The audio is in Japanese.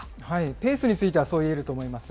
ペースについてはそういえると思います。